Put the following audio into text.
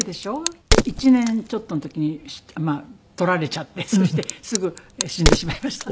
１年ちょっとの時にまあ取られちゃってそしてすぐ死んでしまいました。